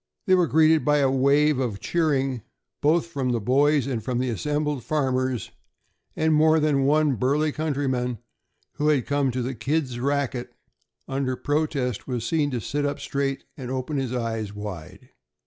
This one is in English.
They were greeted by a wave of cheering both from the boys and from the assembled farmers, and more than one burly countryman who had come to the "kids' racket" under protest was seen to sit up straight and open his eyes wide.